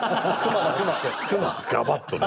ガバッとね。